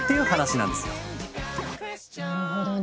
なるほどね。